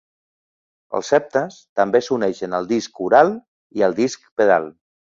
Els septes també s'uneixen al disc oral i al disc pedal.